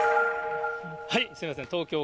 すみません。